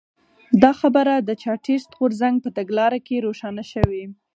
دا خبره د چارټېست غورځنګ په تګلاره کې روښانه شوې.